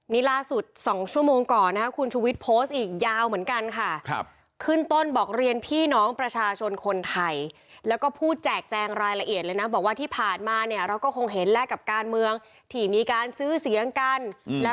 นี่ล่าสุด๒ชั่วโมงก่อนนะครับคุณชูวิทย์โพสต์อีกยาวเหมือนกันค่ะ